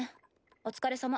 お疲れさま。